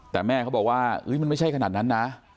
แต่แม่เขาบอกว่ามันไม่ใช่ขนาดนั้นนะ